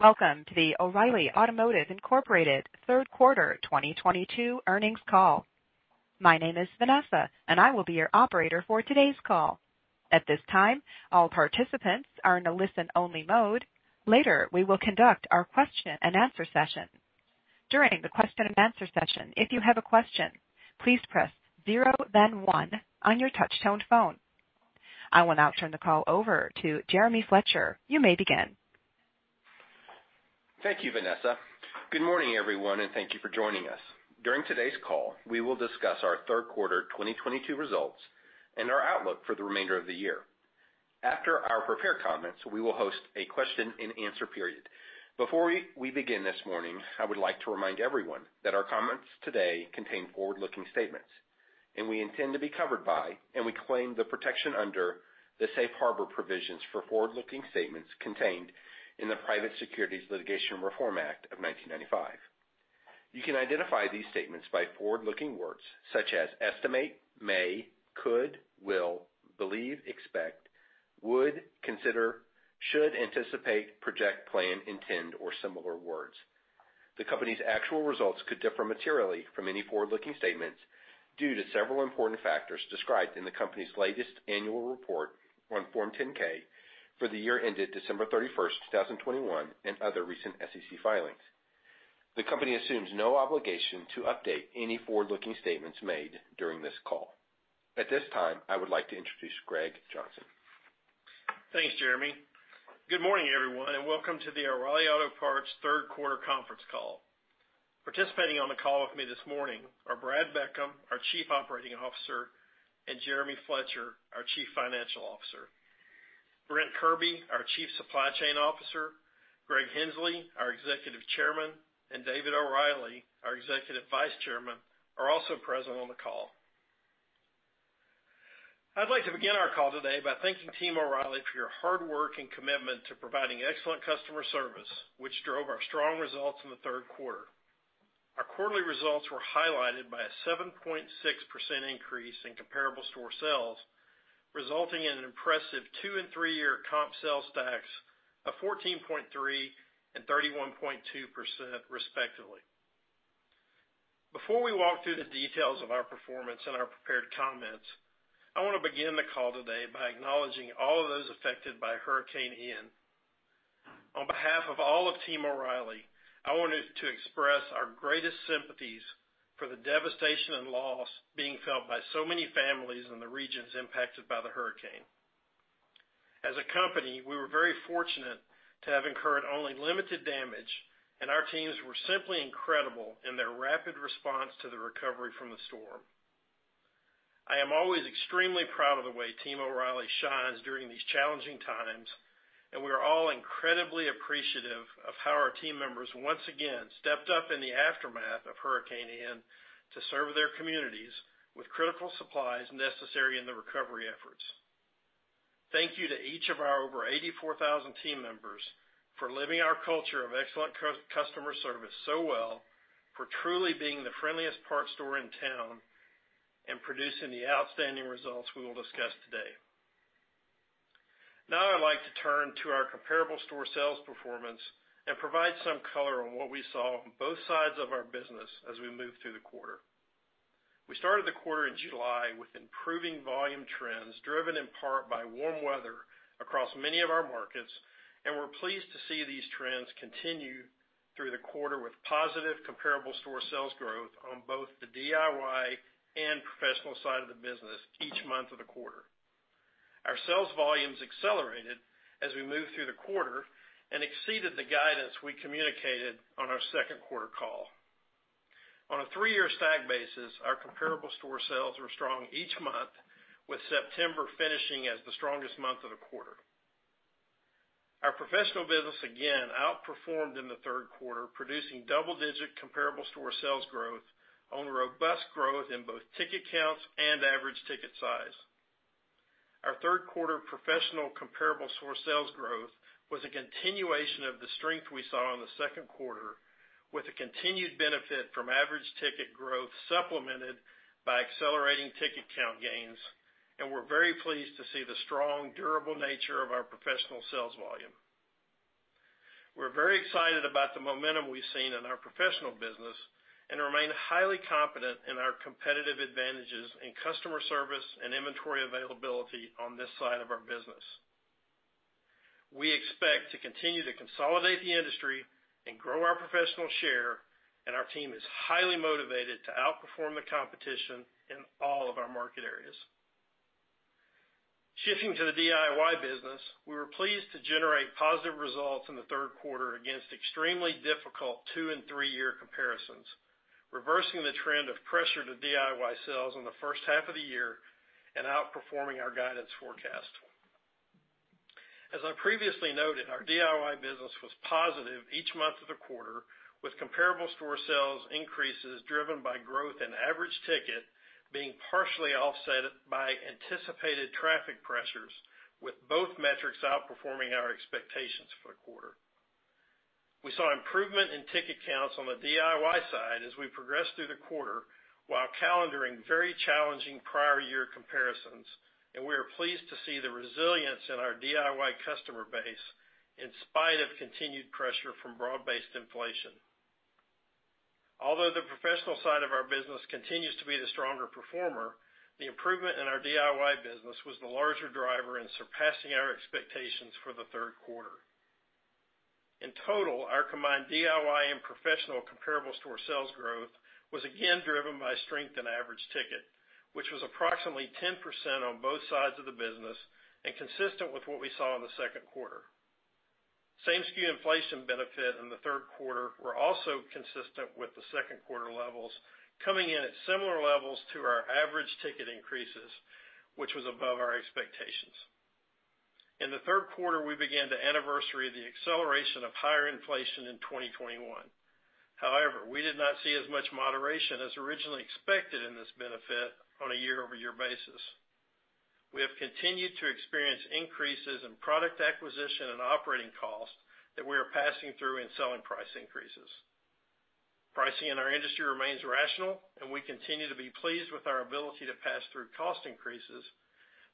Welcome to the O'Reilly Automotive, Inc. third quarter 2022 earnings call. My name is Vanessa, and I will be your operator for today's call. At this time, all participants are in a listen-only mode. Later, we will conduct our question and answer session. During the question and answer session, if you have a question, please press zero then one on your touch-tone phone. I will now turn the call over to Jeremy Fletcher. You may begin. Thank you, Vanessa. Good morning, everyone, and thank you for joining us. During today's call, we will discuss our third quarter 2022 results and our outlook for the remainder of the year. After our prepared comments, we will host a question and answer period. Before we begin this morning, I would like to remind everyone that our comments today contain forward-looking statements, and we intend to be covered by, and we claim the protection under the safe harbor provisions for forward-looking statements contained in the Private Securities Litigation Reform Act of 1995. You can identify these statements by forward-looking words such as estimate, may, could, will, believe, expect, would, consider, should, anticipate, project, plan, intend, or similar words. The company's actual results could differ materially from any forward-looking statements due to several important factors described in the company's latest annual report on Form 10-K for the year ended December 31, 2021, and other recent SEC filings. The company assumes no obligation to update any forward-looking statements made during this call. At this time, I would like to introduce Greg Johnson. Thanks, Jeremy. Good morning, everyone, and welcome to the O'Reilly Auto Parts third quarter conference call. Participating on the call with me this morning are Brad Beckham, our Chief Operating Officer, and Jeremy Fletcher, our Chief Financial Officer. Brent Kirby, our Chief Supply Chain Officer, Greg Henslee, our Executive Chairman, and David O'Reilly, our Executive Vice Chairman, are also present on the call. I'd like to begin our call today by thanking Team O'Reilly for your hard work and commitment to providing excellent customer service, which drove our strong results in the third quarter. Our quarterly results were highlighted by a 7.6% increase in comparable store sales, resulting in an impressive two and three year comp sales stacks of 14.3% and 31.2% respectively. Before we walk through the details of our performance and our prepared comments, I wanna begin the call today by acknowledging all of those affected by Hurricane Ian. On behalf of all of Team O'Reilly, I wanted to express our greatest sympathies for the devastation and loss being felt by so many families in the regions impacted by the hurricane. As a company, we were very fortunate to have incurred only limited damage, and our teams were simply incredible in their rapid response to the recovery from the storm. I am always extremely proud of the way Team O'Reilly shines during these challenging times, and we are all incredibly appreciative of how our team members, once again, stepped up in the aftermath of Hurricane Ian to serve their communities with critical supplies necessary in the recovery efforts. Thank you to each of our over 84,000 team members for living our culture of excellent customer service so well, for truly being the friendliest parts store in town, and producing the outstanding results we will discuss today. Now I'd like to turn to our comparable store sales performance and provide some color on what we saw on both sides of our business as we moved through the quarter. We started the quarter in July with improving volume trends driven in part by warm weather across many of our markets, and we're pleased to see these trends continue through the quarter with positive comparable store sales growth on both the DIY and professional side of the business each month of the quarter. Our sales volumes accelerated as we moved through the quarter and exceeded the guidance we communicated on our second quarter call. On a three-year stack basis, our comparable store sales were strong each month, with September finishing as the strongest month of the quarter. Our professional business again outperformed in the third quarter, producing double-digit comparable store sales growth on robust growth in both ticket counts and average ticket size. Our third quarter professional comparable store sales growth was a continuation of the strength we saw in the second quarter, with a continued benefit from average ticket growth supplemented by accelerating ticket count gains, and we're very pleased to see the strong durable nature of our professional sales volume. We're very excited about the momentum we've seen in our professional business and remain highly confident in our competitive advantages in customer service and inventory availability on this side of our business. We expect to continue to consolidate the industry and grow our professional share, and our team is highly motivated to outperform the competition in all of our market areas. Shifting to the DIY business, we were pleased to generate positive results in the third quarter against extremely difficult two and three year comparisons, reversing the trend of pressure to DIY sales in the first half of the year and outperforming our guidance forecast. As I previously noted, our DIY business was positive each month of the quarter, with comparable store sales increases driven by growth in average ticket being partially offset by anticipated traffic pressures, with both metrics outperforming our expectations for the quarter. We saw improvement in ticket counts on the DIY side as we progressed through the quarter while calendaring very challenging prior year comparisons, and we are pleased to see the resilience in our DIY customer base in spite of continued pressure from broad-based inflation. Although the professional side of our business continues to be the stronger performer, the improvement in our DIY business was the larger driver in surpassing our expectations for the third quarter. In total, our combined DIY and professional comparable store sales growth was again driven by strength in average ticket, which was approximately 10% on both sides of the business and consistent with what we saw in the second quarter. Same-SKU inflation benefit in the third quarter were also consistent with the second quarter levels, coming in at similar levels to our average ticket increases, which was above our expectations. In the third quarter, we began to anniversary the acceleration of higher inflation in 2021. However, we did not see as much moderation as originally expected in this benefit on a year-over-year basis. We have continued to experience increases in product acquisition and operating costs that we are passing through in selling price increases. Pricing in our industry remains rational, and we continue to be pleased with our ability to pass through cost increases,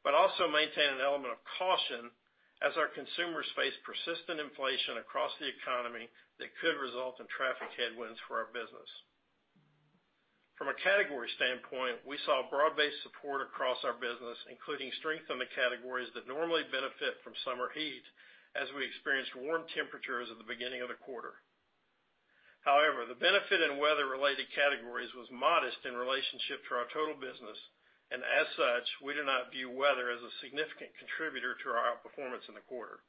but also maintain an element of caution as our consumers face persistent inflation across the economy that could result in traffic headwinds for our business. From a category standpoint, we saw broad-based support across our business, including strength in the categories that normally benefit from summer heat as we experienced warm temperatures at the beginning of the quarter. However, the benefit in weather-related categories was modest in relationship to our total business. As such, we do not view weather as a significant contributor to our outperformance in the quarter.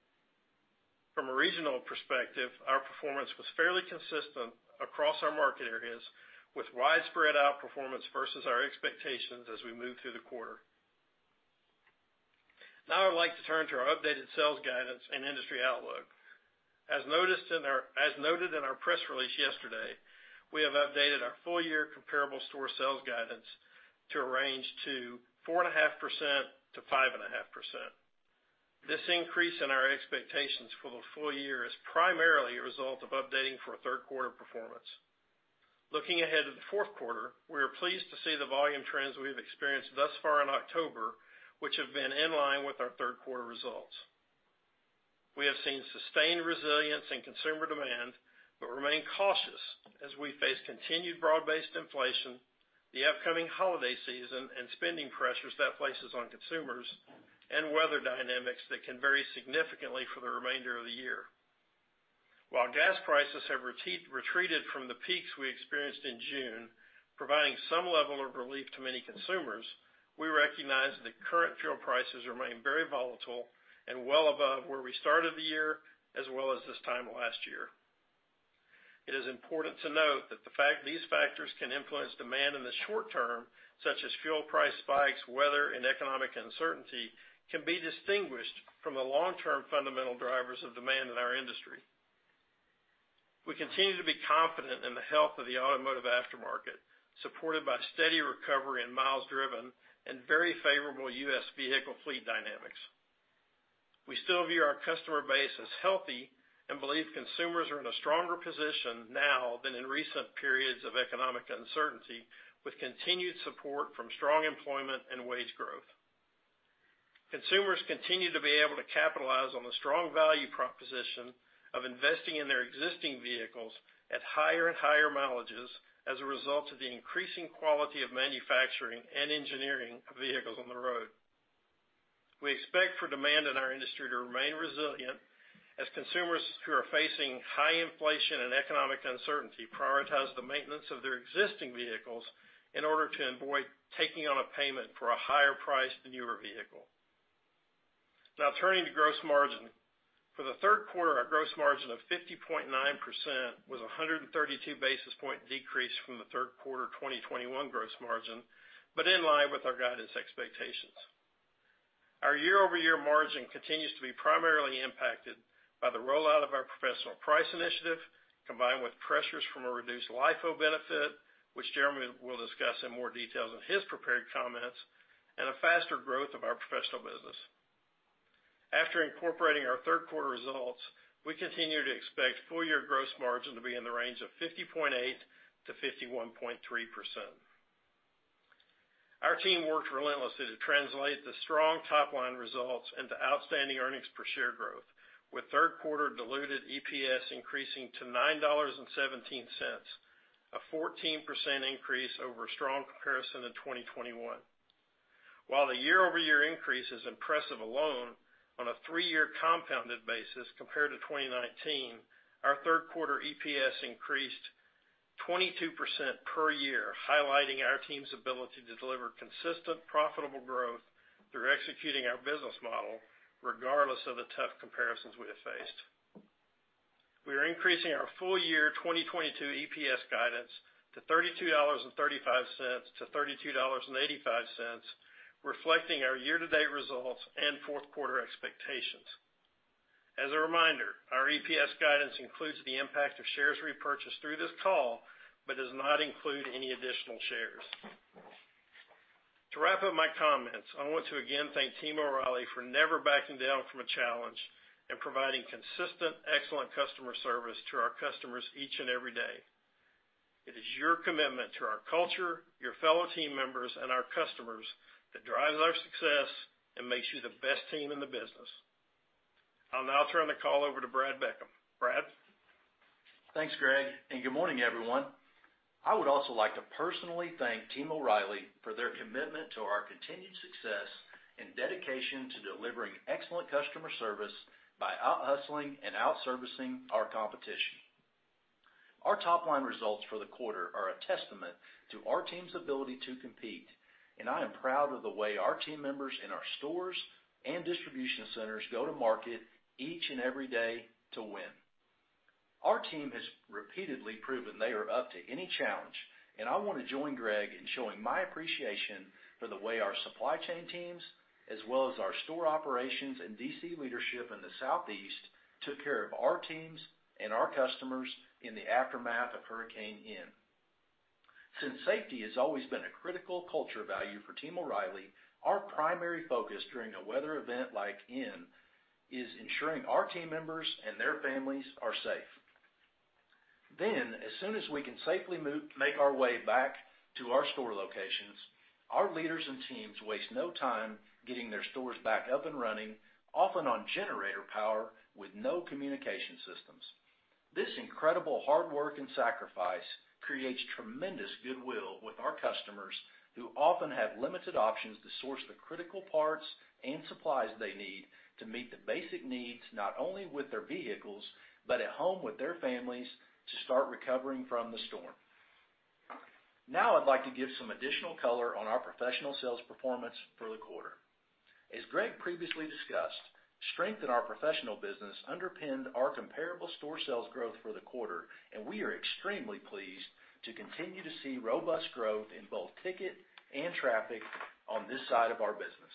From a regional perspective, our performance was fairly consistent across our market areas with widespread outperformance versus our expectations as we moved through the quarter. Now I'd like to turn to our updated sales guidance and industry outlook. As noted in our press release yesterday, we have updated our full year comparable store sales guidance to a range of 4.5%-5.5%. This increase in our expectations for the full year is primarily a result of updating for third quarter performance. Looking ahead to the fourth quarter, we are pleased to see the volume trends we have experienced thus far in October, which have been in line with our third quarter results. We have seen sustained resilience in consumer demand, but remain cautious as we face continued broad-based inflation, the upcoming holiday season and spending pressures that places on consumers and weather dynamics that can vary significantly for the remainder of the year. While gas prices have retreated from the peaks we experienced in June, providing some level of relief to many consumers, we recognize that current fuel prices remain very volatile and well above where we started the year, as well as this time last year. It is important to note that the fact these factors can influence demand in the short term, such as fuel price spikes, weather, and economic uncertainty, can be distinguished from the long-term fundamental drivers of demand in our industry. We continue to be confident in the health of the automotive aftermarket, supported by steady recovery in miles driven and very favorable U.S. vehicle fleet dynamics. We still view our customer base as healthy and believe consumers are in a stronger position now than in recent periods of economic uncertainty, with continued support from strong employment and wage growth. Consumers continue to be able to capitalize on the strong value proposition of investing in their existing vehicles at higher and higher mileages as a result of the increasing quality of manufacturing and engineering of vehicles on the road. We expect for demand in our industry to remain resilient as consumers who are facing high inflation and economic uncertainty prioritize the maintenance of their existing vehicles in order to avoid taking on a payment for a higher priced, newer vehicle. Now turning to gross margin. For the third quarter, our gross margin of 50.9% was a 132 basis point decrease from the third quarter 2021 gross margin, but in line with our guidance expectations. Our year-over-year margin continues to be primarily impacted by the rollout of our professional price initiative, combined with pressures from a reduced LIFO benefit, which Jeremy will discuss in more detail in his prepared comments, and a faster growth of our professional business. After incorporating our third quarter results, we continue to expect full year gross margin to be in the range of 50.8%-51.3%. Our team worked relentlessly to translate the strong top-line results into outstanding earnings per share growth, with third quarter diluted EPS increasing to $9.17, a 14% increase over strong comparison in 2021. While the year-over-year increase is impressive alone, on a three-year compounded basis compared to 2019, our third quarter EPS increased 22% per year, highlighting our team's ability to deliver consistent, profitable growth through executing our business model regardless of the tough comparisons we have faced. We are increasing our full year 2022 EPS guidance to $32.35-$32.85, reflecting our year-to-date results and fourth quarter expectations. As a reminder, our EPS guidance includes the impact of shares repurchased through this call, but does not include any additional shares. To wrap up my comments, I want to again thank Team O'Reilly for never backing down from a challenge and providing consistent excellent customer service to our customers each and every day. It is your commitment to our culture, your fellow team members, and our customers that drives our success and makes you the best team in the business. I'll now turn the call over to Brad Beckham. Brad? Thanks, Greg, and good morning, everyone. I would also like to personally thank Team O'Reilly for their commitment to our continued success and dedication to delivering excellent customer service by out-hustling and out-servicing our competition. Our top-line results for the quarter are a testament to our team's ability to compete, and I am proud of the way our team members in our stores and distribution centers go to market each and every day to win. Our team has repeatedly proven they are up to any challenge, and I wanna join Greg in showing my appreciation for the way our supply chain teams, as well as our store operations and D.C. leadership in the Southeast, took care of our teams and our customers in the aftermath of Hurricane Ian. Since safety has always been a critical culture value for Team O'Reilly, our primary focus during a weather event like Ian is ensuring our team members and their families are safe. As soon as we can safely make our way back to our store locations, our leaders and teams waste no time getting their stores back up and running, often on generator power with no communication systems. This incredible hard work and sacrifice creates tremendous goodwill with our customers, who often have limited options to source the critical parts and supplies they need to meet the basic needs, not only with their vehicles, but at home with their families to start recovering from the storm. Now I'd like to give some additional color on our professional sales performance for the quarter. As Greg previously discussed, strength in our professional business underpinned our comparable store sales growth for the quarter, and we are extremely pleased to continue to see robust growth in both ticket and traffic on this side of our business.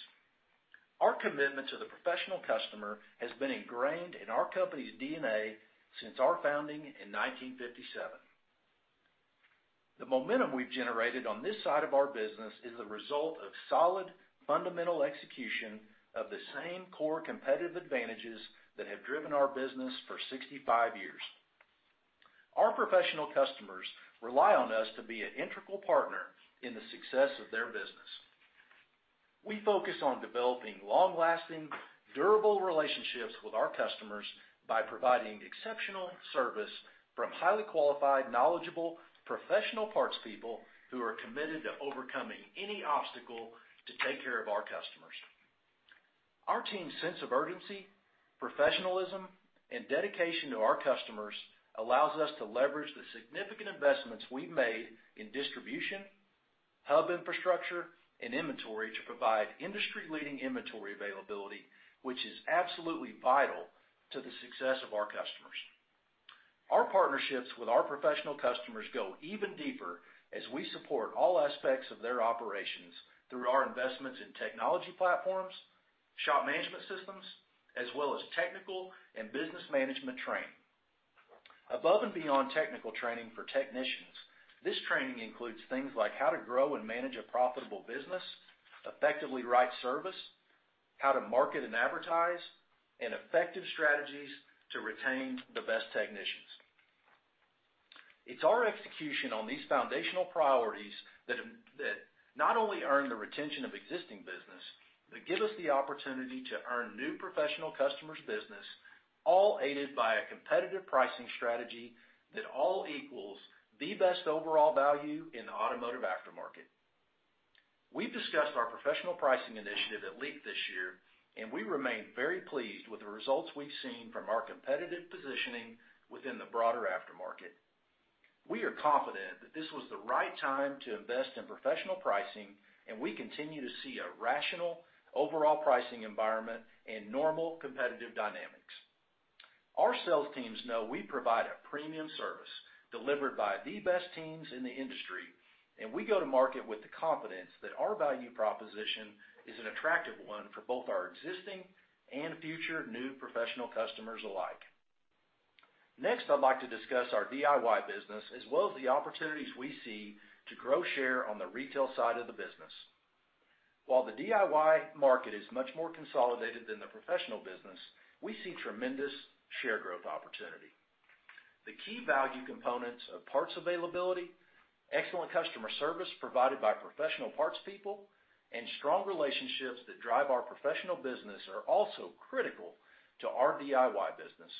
Our commitment to the professional customer has been ingrained in our company's DNA since our founding in 1957. The momentum we've generated on this side of our business is a result of solid, fundamental execution of the same core competitive advantages that have driven our business for 65 years. Our professional customers rely on us to be an integral partner in the success of their business. We focus on developing long-lasting, durable relationships with our customers by providing exceptional service from highly qualified, knowledgeable, professional parts people who are committed to overcoming any obstacle to take care of our customers. Our team's sense of urgency, professionalism, and dedication to our customers allows us to leverage the significant investments we've made in distribution, hub infrastructure, and inventory to provide industry-leading inventory availability, which is absolutely vital to the success of our customers. Our partnerships with our professional customers go even deeper as we support all aspects of their operations through our investments in technology platforms, shop management systems, as well as technical and business management training. Above and beyond technical training for technicians, this training includes things like how to grow and manage a profitable business, effectively write service, how to market and advertise, and effective strategies to retain the best technicians. It's our execution on these foundational priorities that not only earn the retention of existing business, but give us the opportunity to earn new professional customers' business, all aided by a competitive pricing strategy that all equals the best overall value in the automotive aftermarket. We've discussed our professional pricing initiative at length this year, and we remain very pleased with the results we've seen from our competitive positioning within the broader aftermarket. We are confident that this was the right time to invest in professional pricing, and we continue to see a rational overall pricing environment and normal competitive dynamics. Our sales teams know we provide a premium service delivered by the best teams in the industry, and we go to market with the confidence that our value proposition is an attractive one for both our existing and future new professional customers alike. Next, I'd like to discuss our DIY business as well as the opportunities we see to grow share on the retail side of the business. While the DIY market is much more consolidated than the professional business, we see tremendous share growth opportunity. The key value components of parts availability, excellent customer service provided by professional parts people, and strong relationships that drive our professional business are also critical to our DIY business.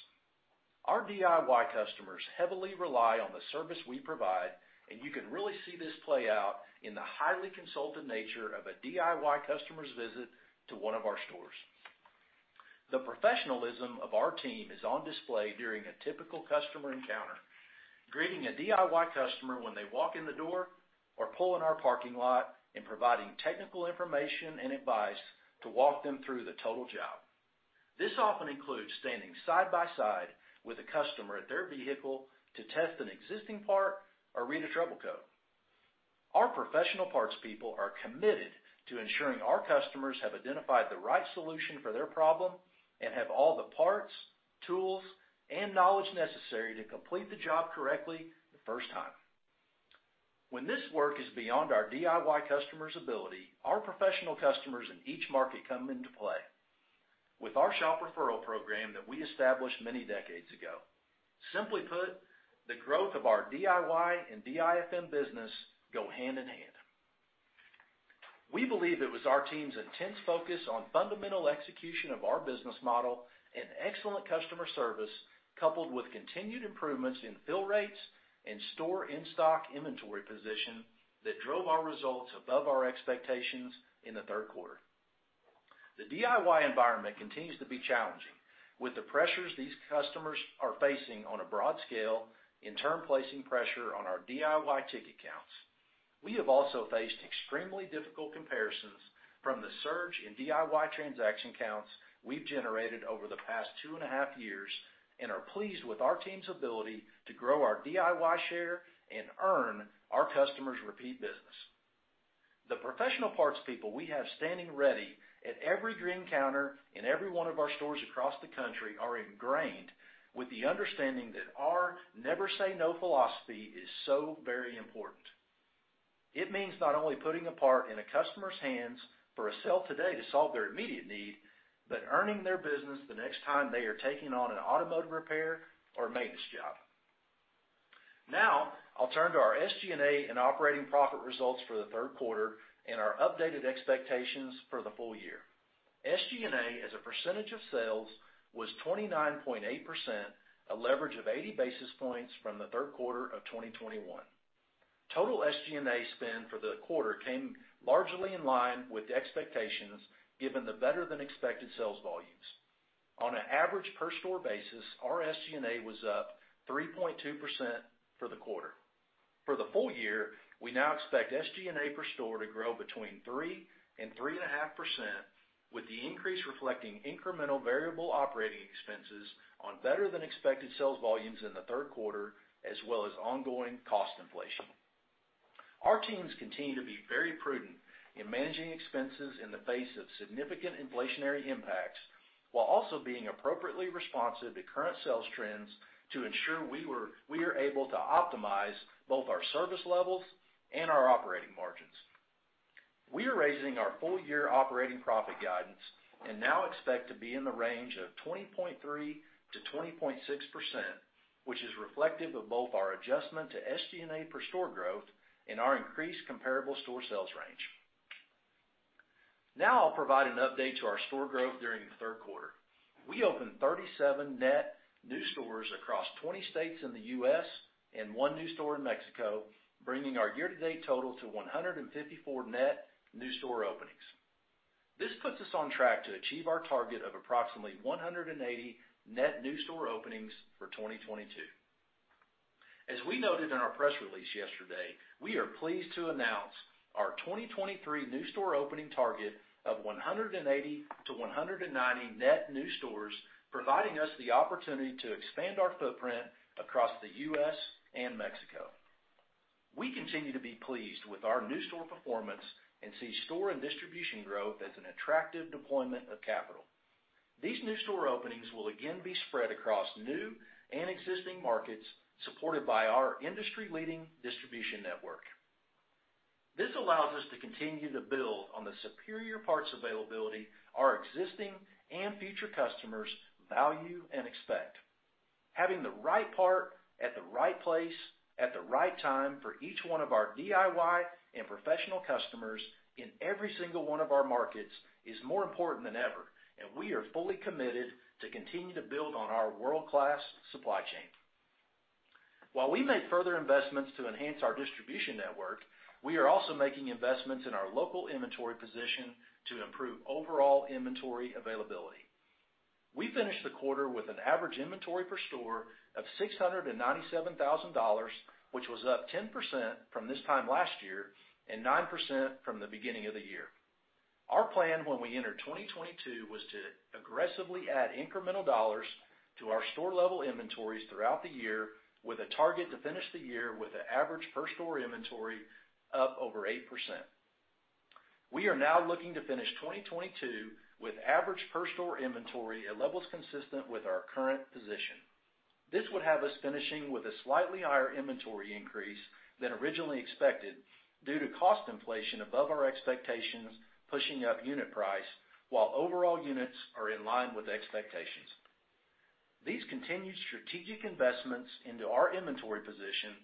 Our DIY customers heavily rely on the service we provide, and you can really see this play out in the highly consulted nature of a DIY customer's visit to one of our stores. The professionalism of our team is on display during a typical customer encounter. Greeting a DIY customer when they walk in the door or pull in our parking lot and providing technical information and advice to walk them through the total job. This often includes standing side by side with a customer at their vehicle to test an existing part or read a trouble code. Our professional parts people are committed to ensuring our customers have identified the right solution for their problem and have all the parts, tools, and knowledge necessary to complete the job correctly the first time. When this work is beyond our DIY customers' ability, our professional customers in each market come into play. With our shop referral program that we established many decades ago, simply put, the growth of our DIY and DIFM business go hand in hand. We believe it was our team's intense focus on fundamental execution of our business model and excellent customer service, coupled with continued improvements in fill rates and store in-stock inventory position that drove our results above our expectations in the third quarter. The DIY environment continues to be challenging with the pressures these customers are facing on a broad scale, in turn placing pressure on our DIY ticket counts. We have also faced extremely difficult comparisons from the surge in DIY transaction counts we've generated over the past 2.5 years and are pleased with our team's ability to grow our DIY share and earn our customers repeat business. The professional parts people we have standing ready at every green counter in every one of our stores across the country are ingrained with the understanding that our never say no philosophy is so very important. It means not only putting a part in a customer's hands for a sale today to solve their immediate need, but earning their business the next time they are taking on an automotive repair or maintenance job. Now I'll turn to our SG&A and operating profit results for the third quarter and our updated expectations for the full year. SG&A as a percentage of sales was 29.8%, a leverage of 80 basis points from the third quarter of 2021. Total SG&A spend for the quarter came largely in line with the expectations given the better than expected sales volumes. On an average per store basis, our SG&A was up 3.2% for the quarter. For the full year, we now expect SG&A per store to grow between 3% and 3.5% with the increase reflecting incremental variable operating expenses on better than expected sales volumes in the third quarter, as well as ongoing cost inflation. Our teams continue to be very prudent in managing expenses in the face of significant inflationary impacts while also being appropriately responsive to current sales trends to ensure we are able to optimize both our service levels and our operating margins. We are raising our full year operating profit guidance and now expect to be in the range of 20.3%-20.6%, which is reflective of both our adjustment to SG&A per store growth and our increased comparable store sales range. Now I'll provide an update to our store growth during the third quarter. We opened 37 net new stores across 20 states in the U.S. and one new store in Mexico, bringing our year-to-date total to 154 net new store openings. This puts us on track to achieve our target of approximately 180 net new store openings for 2022. As we noted in our press release yesterday, we are pleased to announce our 2023 new store opening target of 180-190 net new stores, providing us the opportunity to expand our footprint across the U.S. and Mexico. We continue to be pleased with our new store performance and see store and distribution growth as an attractive deployment of capital. These new store openings will again be spread across new and existing markets supported by our industry-leading distribution network. This allows us to continue to build on the superior parts availability our existing and future customers value and expect. Having the right part at the right place at the right time for each one of our DIY and professional customers in every single one of our markets is more important than ever, and we are fully committed to continue to build on our world-class supply chain. While we make further investments to enhance our distribution network, we are also making investments in our local inventory position to improve overall inventory availability. We finished the quarter with an average inventory per store of $697,000, which was up 10% from this time last year and 9% from the beginning of the year. Our plan when we entered 2022 was to aggressively add incremental dollars to our store level inventories throughout the year with a target to finish the year with an average per store inventory up over 8%. We are now looking to finish 2022 with average per store inventory at levels consistent with our current position. This would have us finishing with a slightly higher inventory increase than originally expected due to cost inflation above our expectations pushing up unit price while overall units are in line with expectations. These continued strategic investments into our inventory position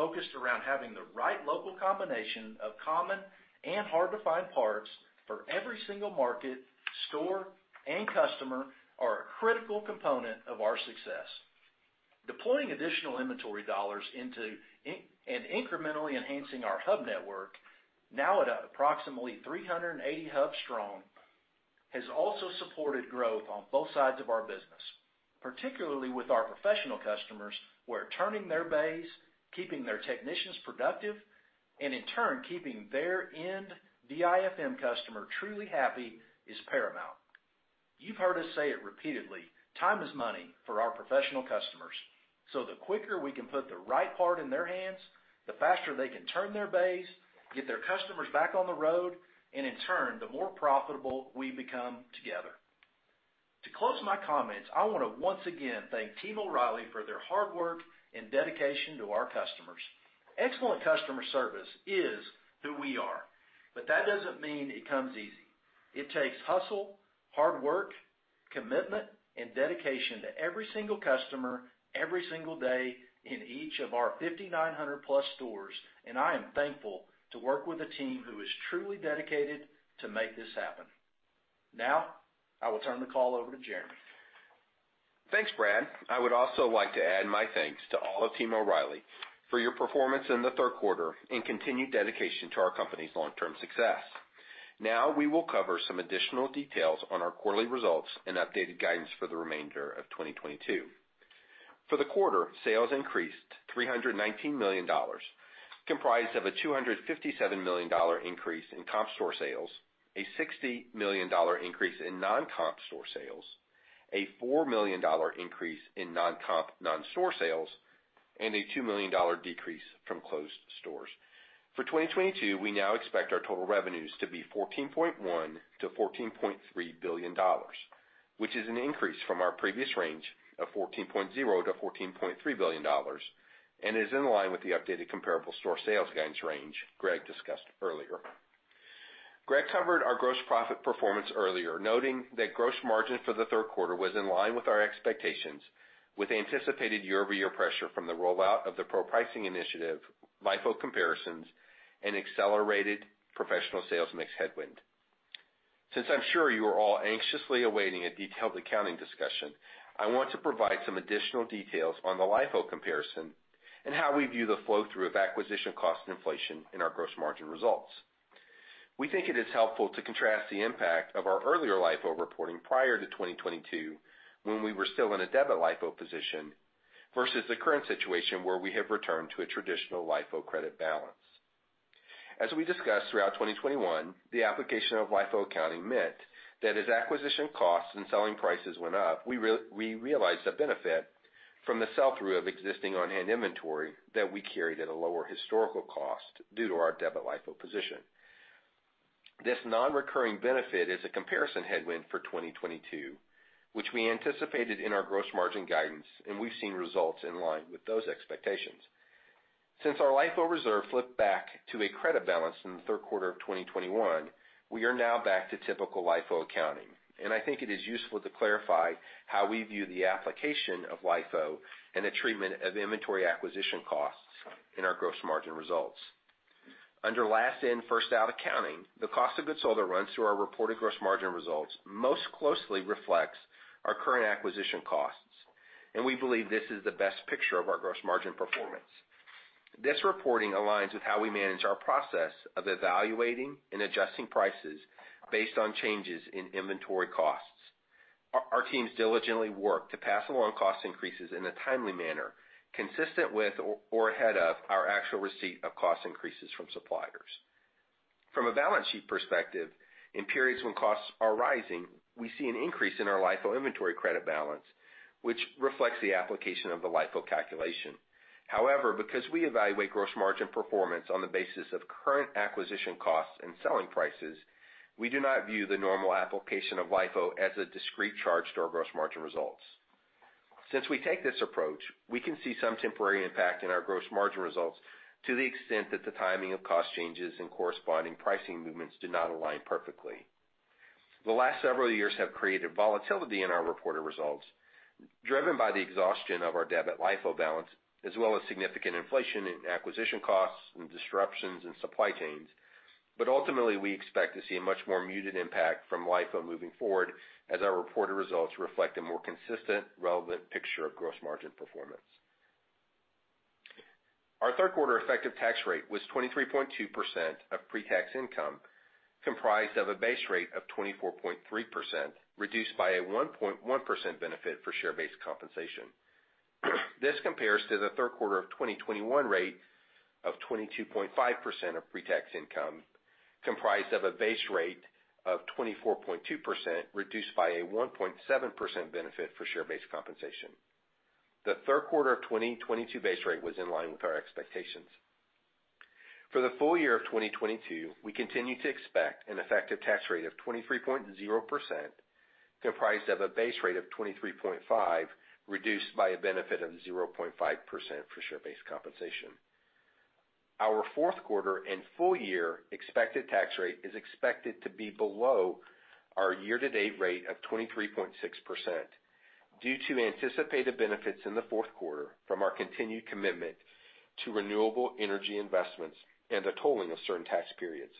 focused around having the right local combination of common and hard to find parts for every single market, store, and customer are a critical component of our success. Deploying additional inventory dollars into and incrementally enhancing our hub network, now at approximately 380 hubs strong, has also supported growth on both sides of our business, particularly with our professional customers, where turning their bays, keeping their technicians productive, and in turn, keeping their end DIFM customer truly happy is paramount. You've heard us say it repeatedly, time is money for our professional customers. The quicker we can put the right part in their hands, the faster they can turn their base, get their customers back on the road, and in turn, the more profitable we become together. To close my comments, I wanna once again thank Team O'Reilly for their hard work and dedication to our customers. Excellent customer service is who we are, but that doesn't mean it comes easy. It takes hustle, hard work, commitment, and dedication to every single customer every single day in each of our 5,900 plus stores, and I am thankful to work with a team who is truly dedicated to make this happen. Now, I will turn the call over to Jeremy. Thanks, Brad. I would also like to add my thanks to all of Team O'Reilly for your performance in the third quarter and continued dedication to our company's long-term success. Now we will cover some additional details on our quarterly results and updated guidance for the remainder of 2022. For the quarter, sales increased $319 million, comprised of a $257 million increase in comp store sales, a $60 million increase in non-comp store sales, a $4 million increase in non-comp non-store sales, and a $2 million decrease from closed stores. For 2022, we now expect our total revenues to be $14.1 billion-$14.3 billion, which is an increase from our previous range of $14.0 billion-$14.3 billion and is in line with the updated comparable store sales guidance range Greg discussed earlier. Greg covered our gross profit performance earlier, noting that gross margin for the third quarter was in line with our expectations with anticipated year-over-year pressure from the rollout of the pro pricing initiative, LIFO comparisons, and accelerated professional sales mix headwind. Since I'm sure you are all anxiously awaiting a detailed accounting discussion, I want to provide some additional details on the LIFO comparison and how we view the flow through of acquisition cost inflation in our gross margin results. We think it is helpful to contrast the impact of our earlier LIFO reporting prior to 2022, when we were still in a debit LIFO position, versus the current situation where we have returned to a traditional LIFO credit balance. As we discussed throughout 2021, the application of LIFO accounting meant that as acquisition costs and selling prices went up, we realized a benefit from the sell-through of existing on-hand inventory that we carried at a lower historical cost due to our debit LIFO position. This non-recurring benefit is a comparison headwind for 2022, which we anticipated in our gross margin guidance, and we've seen results in line with those expectations. Since our LIFO reserve flipped back to a credit balance in the third quarter of 2021, we are now back to typical LIFO accounting, and I think it is useful to clarify how we view the application of LIFO and the treatment of inventory acquisition costs in our gross margin results. Under last in, first out accounting, the cost of goods sold that runs through our reported gross margin results most closely reflects our current acquisition costs, and we believe this is the best picture of our gross margin performance. This reporting aligns with how we manage our process of evaluating and adjusting prices based on changes in inventory costs. Our teams diligently work to pass along cost increases in a timely manner, consistent with or ahead of our actual receipt of cost increases from suppliers. From a balance sheet perspective, in periods when costs are rising, we see an increase in our LIFO inventory credit balance, which reflects the application of the LIFO calculation. However, because we evaluate gross margin performance on the basis of current acquisition costs and selling prices, we do not view the normal application of LIFO as a discrete charge to our gross margin results. Since we take this approach, we can see some temporary impact in our gross margin results to the extent that the timing of cost changes and corresponding pricing movements do not align perfectly. The last several years have created volatility in our reported results, driven by the exhaustion of our debit LIFO balance, as well as significant inflation in acquisition costs and disruptions in supply chains. Ultimately, we expect to see a much more muted impact from LIFO moving forward as our reported results reflect a more consistent, relevant picture of gross margin performance. Our third quarter effective tax rate was 23.2% of pre-tax income, comprised of a base rate of 24.3%, reduced by a 1.1% benefit for share-based compensation. This compares to the third quarter of 2021 rate of 22.5% of pre-tax income, comprised of a base rate of 24.2%, reduced by a 1.7% benefit for share-based compensation. The third quarter of 2022 base rate was in line with our expectations. For the full year of 2022, we continue to expect an effective tax rate of 23.0%, comprised of a base rate of 23.5, reduced by a benefit of 0.5% for share-based compensation. Our fourth quarter and full year expected tax rate is expected to be below our year-to-date rate of 23.6% due to anticipated benefits in the fourth quarter from our continued commitment to renewable energy investments and the tolling of certain tax periods.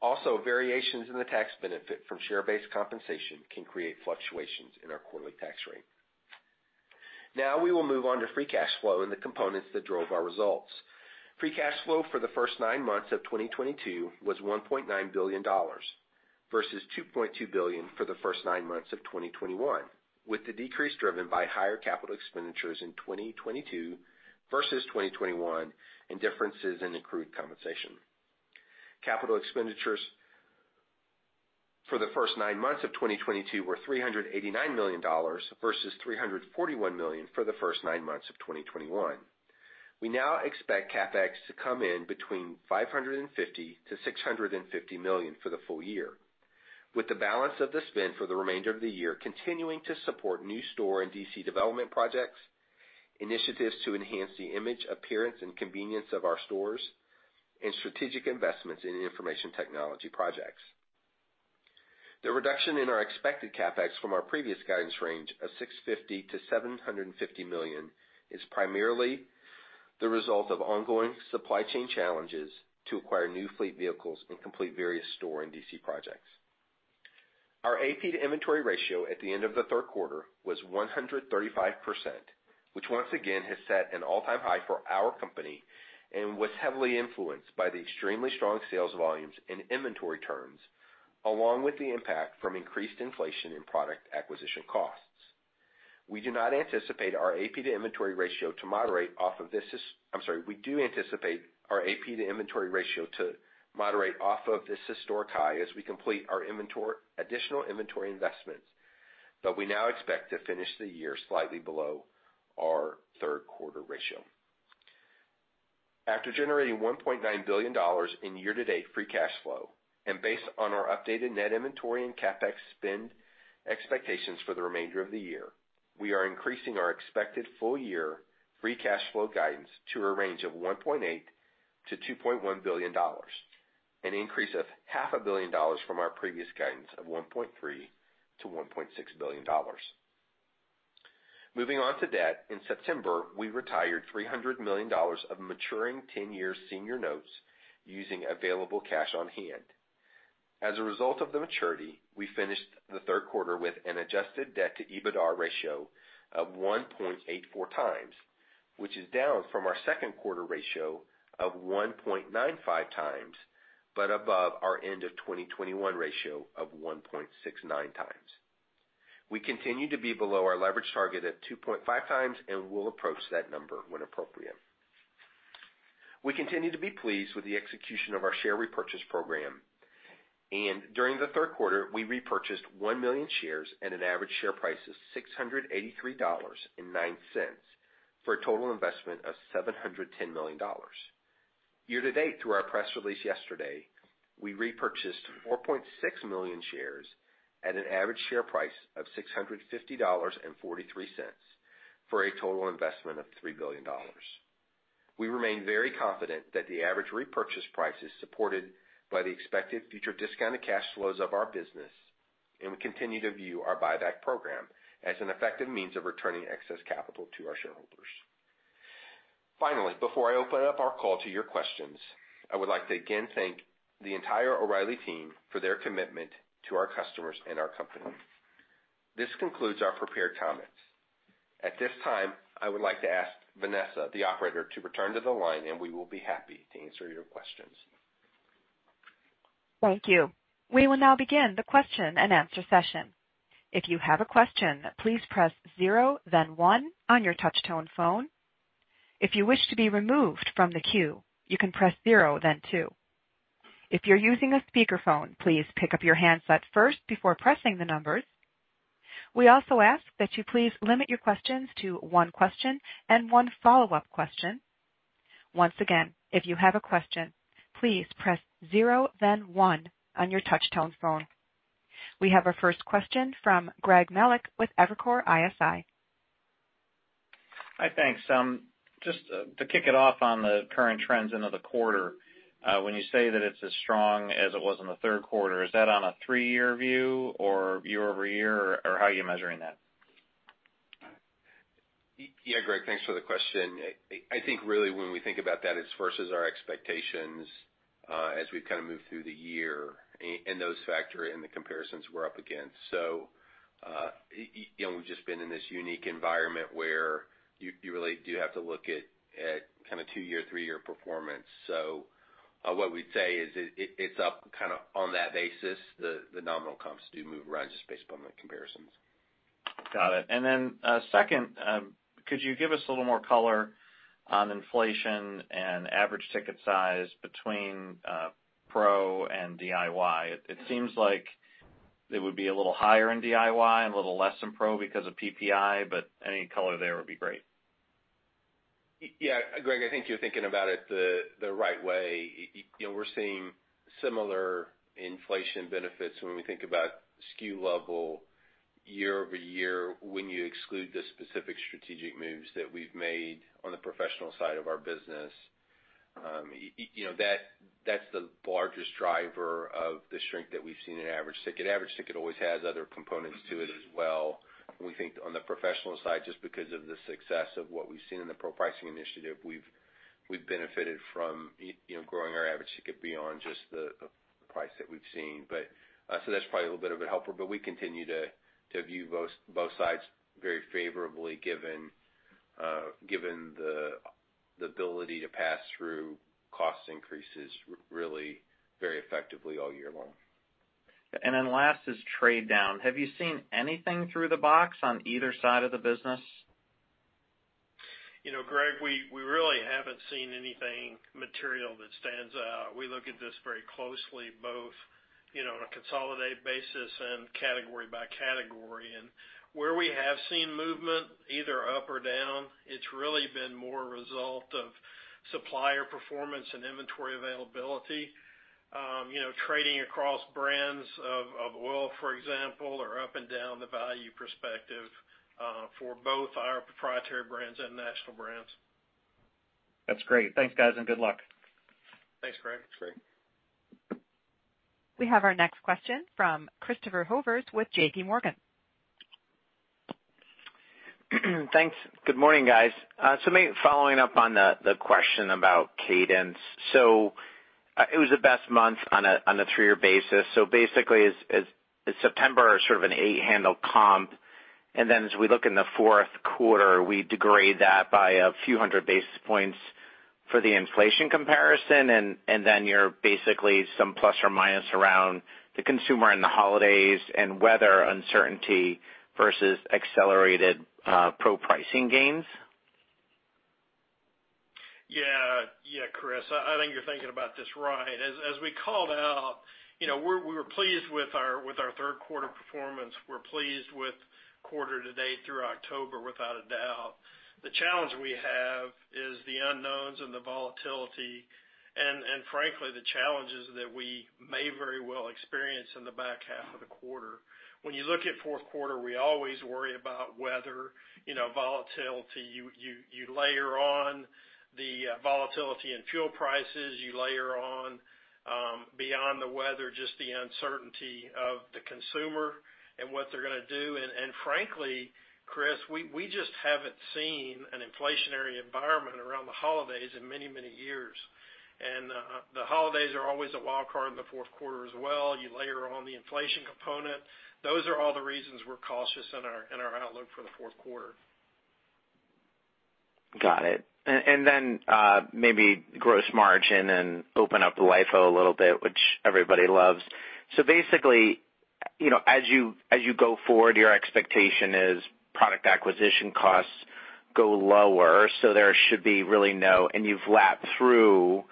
Also, variations in the tax benefit from share-based compensation can create fluctuations in our quarterly tax rate. Now we will move on to free cash flow and the components that drove our results. Free cash flow for the first nine months of 2022 was $1.9 billion, versus $2.2 billion for the first nine months of 2021, with the decrease driven by higher capital expenditures in 2022 versus 2021 and differences in accrued compensation. Capital expenditures for the first nine months of 2022 were $389 million versus $341 million for the first nine months of 2021. We now expect CapEx to come in between $550 million-$650 million for the full year, with the balance of the spend for the remainder of the year continuing to support new store and DC development projects, initiatives to enhance the image, appearance, and convenience of our stores and strategic investments in information technology projects. The reduction in our expected CapEx from our previous guidance range of $650 million-$750 million is primarily the result of ongoing supply chain challenges to acquire new fleet vehicles and complete various store and DC projects. Our AP to inventory ratio at the end of the third quarter was 135%, which once again has set an all-time high for our company and was heavily influenced by the extremely strong sales volumes and inventory terms, along with the impact from increased inflation in product acquisition costs. We do anticipate our AP to inventory ratio to moderate off of this historic high as we complete our additional inventory investments, but we now expect to finish the year slightly below our third quarter ratio. After generating $1.9 billion in year-to-date free cash flow and based on our updated net inventory and CapEx spend expectations for the remainder of the year, we are increasing our expected full year free cash flow guidance to a range of $1.8-$2.1 billion, an increase of half a billion dollars from our previous guidance of $1.3 billion-$1.6 billion. Moving on to debt. In September, we retired $300 million of maturing ten-year senior notes using available cash on hand. As a result of the maturity, we finished the third quarter with an adjusted debt to EBITDAR ratio of 1.84x, which is down from our second quarter ratio of 1.95x, but above our end of 2021 ratio of 1.69x. We continue to be below our leverage target at 2.5x, and we'll approach that number when appropriate. We continue to be pleased with the execution of our share repurchase program, and during the third quarter, we repurchased 1 million shares at an average share price of $683.09 for a total investment of $710 million. Year to date, through our press release yesterday, we repurchased 4.6 million shares at an average share price of $650.43 for a total investment of $3 billion. We remain very confident that the average repurchase price is supported by the expected future discounted cash flows of our business, and we continue to view our buyback program as an effective means of returning excess capital to our shareholders. Finally, before I open up our call to your questions, I would like to again thank the entire O'Reilly team for their commitment to our customers and our company. This concludes our prepared comments. At this time, I would like to ask Vanessa, the operator, to return to the line and we will be happy to answer your questions. Thank you. We will now begin the question-and-answer session. If you have a question, please press zero, then one on your touchtone phone. If you wish to be removed from the queue, you can press zero, then two. If you're using a speakerphone, please pick up your handset first before pressing the numbers. We also ask that you please limit your questions to one question and one follow-up question. Once again, if you have a question, please press zero, then one on your touchtone phone. We have our first question from Greg Melich with Evercore ISI. Hi. Thanks. Just, to kick it off on the current trends into the quarter, when you say that it's as strong as it was in the third quarter, is that on a three-year view or year-over-year or, how are you measuring that? Yeah, Greg, thanks for the question. I think really when we think about that, it's versus our expectations, as we've kind of moved through the year and those factor in the comparisons we're up against. You know, we've just been in this unique environment where you really do have to look at kinda two-year, three-year performance. What we'd say is it's up kinda on that basis. The nominal comps do move around just based upon the comparisons. Got it. Second, could you give us a little more color on inflation and average ticket size between pro and DIY? It seems like it would be a little higher in DIY and a little less in pro because of PPI, but any color there would be great? Yeah, Greg, I think you're thinking about it the right way. You know, we're seeing similar inflation benefits when we think about SKU level year-over-year, when you exclude the specific strategic moves that we've made on the professional side of our business. You know, that's the largest driver of the shrink that we've seen in average ticket. Average ticket always has other components to it as well. When we think on the professional side, just because of the success of what we've seen in the pro pricing initiative, we've benefited from you know, growing our average ticket beyond just the price that we've seen. That's probably a little bit of a helper, but we continue to view both sides very favorably given the ability to pass through cost increases really very effectively all year long. Last is trade down. Have you seen anything through the box on either side of the business? You know, Greg, we really haven't seen anything material that stands out. We look at this very closely, both, you know, on a consolidated basis and category by category. Where we have seen movement, either up or down, it's really been more a result of supplier performance and inventory availability, you know, trading across brands of oil, for example, or up and down the value perspective, for both our proprietary brands and national brands. That's great. Thanks, guys, and good luck. Thanks, Greg. Thanks, Greg. We have our next question from Christopher Horvers with JPMorgan. Thanks. Good morning, guys. Following up on the question about cadence. It was the best month on a three-year basis. Basically is September sort of an eight handle comp, and then as we look in the fourth quarter, we degrade that by a few hundred basis points for the inflation comparison, and then you're basically some plus or minus around the consumer and the holidays and weather uncertainty versus accelerated pro-pricing gains? Yeah. Yeah, Chris, I think you're thinking about this right. As we called out, you know, we were pleased with our third quarter performance. We're pleased with quarter to date through October, without a doubt. The challenge we have is the unknowns and the volatility and frankly, the challenges that we may very well experience in the back half of the quarter. When you look at fourth quarter, we always worry about weather, you know, volatility. You layer on the volatility in fuel prices. You layer on beyond the weather, just the uncertainty of the consumer and what they're gonna do. And frankly, Chris, we just haven't seen an inflationary environment around the holidays in many, many years. And the holidays are always a wild card in the fourth quarter as well. You layer on the inflation component. Those are all the reasons we're cautious in our outlook for the fourth quarter. Got it. Maybe gross margin and open up LIFO a little bit, which everybody loves. Basically, you know, as you go forward, your expectation is product acquisition costs go lower, so there should be really, and you've lapped through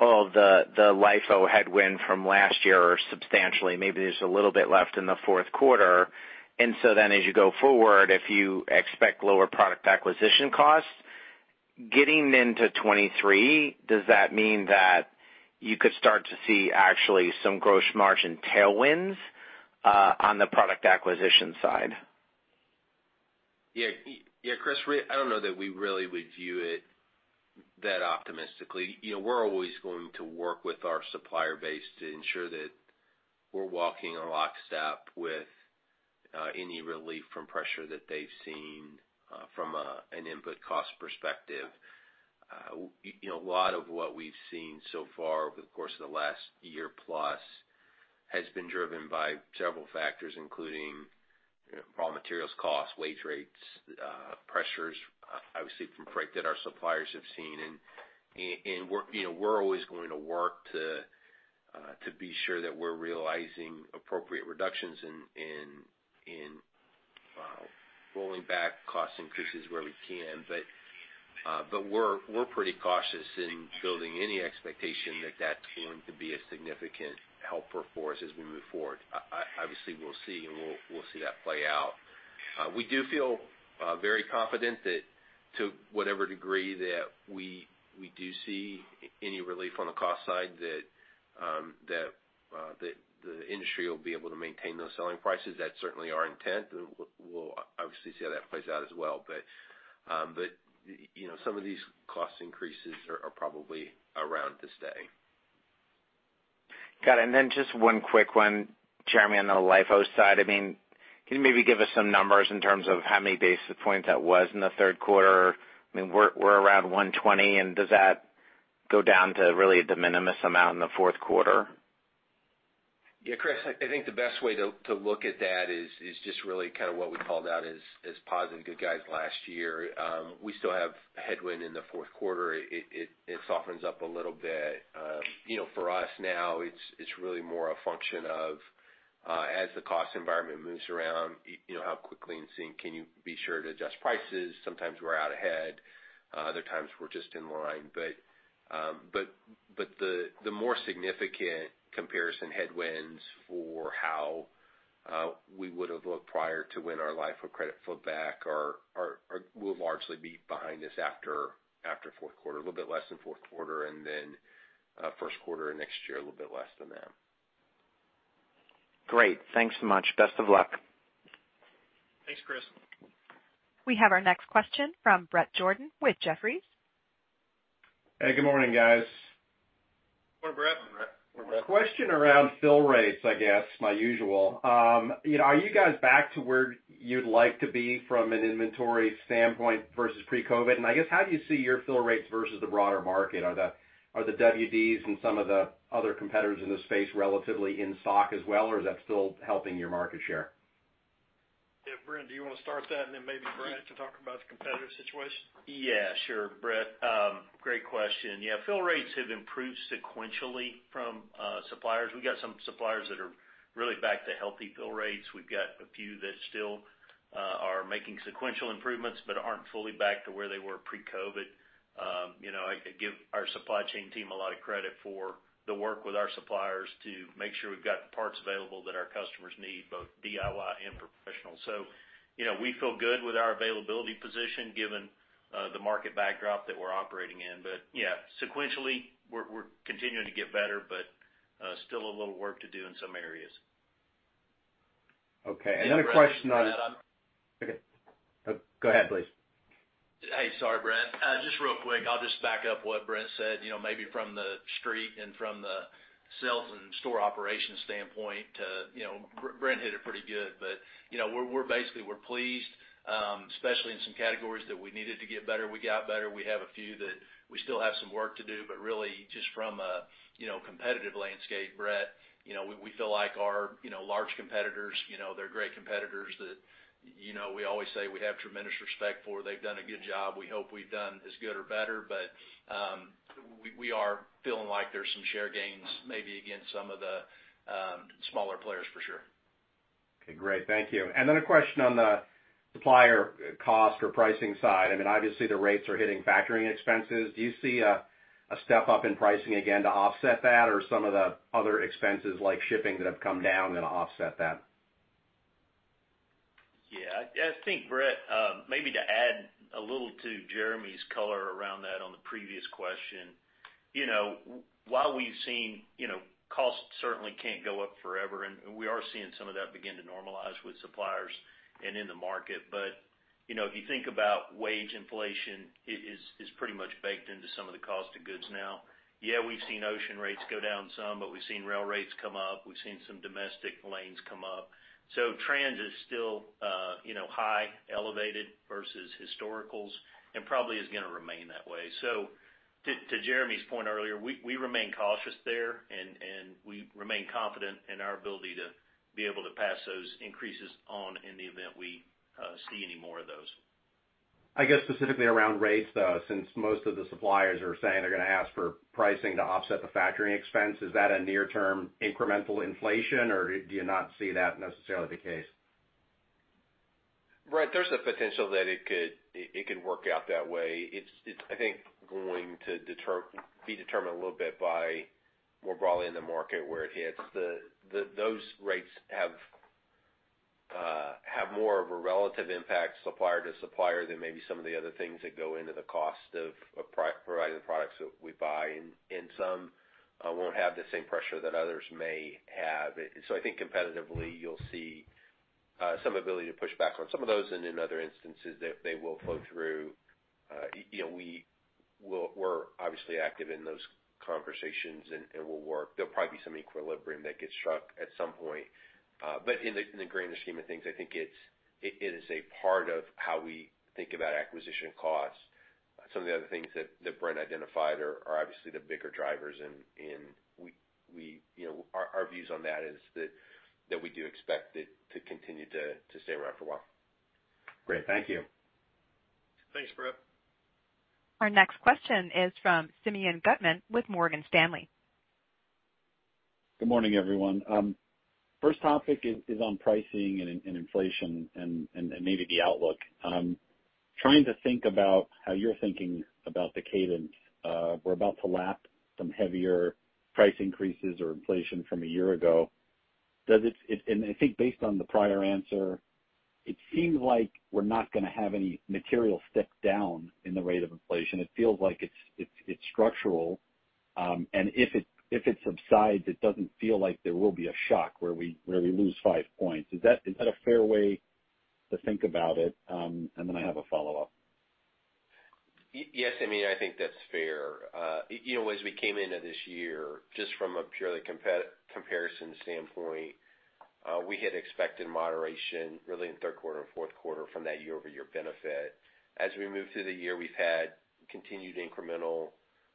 all the LIFO headwind from last year or substantially, maybe there's a little bit left in the fourth quarter. As you go forward, if you expect lower product acquisition costs, getting into 2023, does that mean that you could start to see actually some gross margin tailwinds on the product acquisition side? Yeah. Yeah, Chris, I don't know that we really would view it that optimistically. You know, we're always going to work with our supplier base to ensure that we're walking in lockstep with any relief from pressure that they've seen from an input cost perspective. You know, a lot of what we've seen so far over the course of the last year plus has been driven by several factors, including, you know, raw materials costs, wage rates, pressures, obviously from freight that our suppliers have seen. You know, we're always going to work to be sure that we're realizing appropriate reductions in rolling back cost increases where we can. We're pretty cautious in building any expectation that that's going to be a significant helper for us as we move forward. Obviously, we'll see that play out. We do feel very confident that to whatever degree that we do see any relief on the cost side that the industry will be able to maintain those selling prices. That's certainly our intent, and we'll obviously see how that plays out as well. You know, some of these cost increases are probably around to stay. Got it. Then just one quick one, Jeremy, on the LIFO side. I mean, can you maybe give us some numbers in terms of how many basis points that was in the third quarter? I mean, we're around 120, and does that go down to really a de minimis amount in the fourth quarter? Yeah, Chris, I think the best way to look at that is just really kinda what we called out as positive good guys last year. We still have headwind in the fourth quarter. It softens up a little bit. You know, for us now, it's really more a function of as the cost environment moves around, you know, how quickly in sync can you be sure to adjust prices. Sometimes we're out ahead, other times we're just in line. But the more significant comparison headwinds for how we would've looked prior to when our LIFO credit flowed back will largely be behind us after fourth quarter, a little bit less than fourth quarter, and then first quarter of next year, a little bit less than that. Great. Thanks so much. Best of luck. Thanks, Chris. We have our next question from Bret Jordan with Jefferies. Hey, good morning, guys. Good morning, Bret. Morning, Bret. Question around fill rates, I guess, my usual. You know, are you guys back to where you'd like to be from an inventory standpoint versus pre-COVID? I guess, how do you see your fill rates versus the broader market? Are the WDs and some of the other competitors in this space relatively in stock as well, or is that still helping your market share? Yeah, Brent, do you wanna start that and then maybe Bret to talk about the competitive situation? Yeah, sure, Bret. Great question. Yeah, fill rates have improved sequentially from suppliers. We got some suppliers that are really back to healthy fill rates. We've got a few that still are making sequential improvements, but aren't fully back to where they were pre-COVID. You know, I give our supply chain team a lot of credit for the work with our suppliers to make sure we've got the parts available that our customers need, both DIY and professional. You know, we feel good with our availability position given the market backdrop that we're operating in. Yeah, sequentially, we're continuing to get better, but still a little work to do in some areas. Okay. Another question on- Yeah, Bret, can I add on? Okay. Go ahead, please. Hey, sorry, Bret. Just real quick, I'll just back up what Brent said, you know, maybe from the street and from the sales and store operations standpoint. You know, Brent hit it pretty good. We're basically pleased, especially in some categories that we needed to get better, we got better. We have a few that we still have some work to do, but really just from a, you know, competitive landscape, Bret, you know, we feel like our, you know, large competitors, you know, they're great competitors that, you know, we always say we have tremendous respect for. They've done a good job. We hope we've done as good or better, but we are feeling like there's some share gains maybe against some of the smaller players for sure. Okay, great. Thank you. A question on the supplier cost or pricing side. I mean, obviously the rates are hitting factoring expenses. Do you see a step up in pricing again to offset that or some of the other expenses like shipping that have come down gonna offset that? Yeah, I think, Bret, maybe to add a little to Jeremy's color around that on the previous question, you know, while we've seen, you know, costs certainly can't go up forever, and we are seeing some of that begin to normalize with suppliers and in the market. You know, if you think about wage inflation, it is pretty much baked into some of the cost of goods now. Yeah, we've seen ocean rates go down some, but we've seen rail rates come up. We've seen some domestic lanes come up. Trans is still, you know, highly elevated versus historicals and probably is gonna remain that way. To Jeremy's point earlier, we remain cautious there and we remain confident in our ability to be able to pass those increases on in the event we see any more of those. I guess specifically around rates, though, since most of the suppliers are saying they're gonna ask for pricing to offset the factoring expense, is that a near-term incremental inflation or do you not see that necessarily the case? Bret, there's the potential that it could work out that way. It's I think going to be determined a little bit by more broadly in the market where it hits. Those rates have more of a relative impact supplier to supplier than maybe some of the other things that go into the cost of providing the products that we buy, and some won't have the same pressure that others may have. I think competitively, you'll see some ability to push back on some of those and in other instances they will flow through. You know, we're obviously active in those conversations and we'll work. There'll probably be some equilibrium that gets struck at some point. In the grander scheme of things, I think it is a part of how we think about acquisition costs. Some of the other things that Brent identified are obviously the bigger drivers and we you know our views on that is that we do expect it to continue to stay around for a while. Great. Thank you. Thanks, Bret. Our next question is from Simeon Gutman with Morgan Stanley. Good morning, everyone. First topic is on pricing and inflation and maybe the outlook. Trying to think about how you're thinking about the cadence, we're about to lap some heavier price increases or inflation from a year ago. I think based on the prior answer, it seems like we're not gonna have any material step down in the rate of inflation. It feels like it's structural, and if it subsides, it doesn't feel like there will be a shock where we lose five points. Is that a fair way to think about it? I have a follow-up. Yes, Simeon, I think that's fair. You know, as we came into this year, just from a purely comparison standpoint, we had expected moderation really in third quarter and fourth quarter from that year-over-year benefit. As we moved through the year, we've had continued incremental